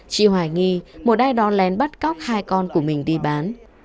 chị hoài nghi một ai đó lén bắt cóc hai con của mình đi bán